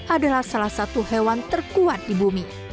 adalah salah satu hewan terkuat di bumi